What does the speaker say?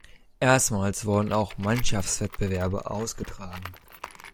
Erstmals wurden auch Mannschaftswettbewerbe ausgetragen.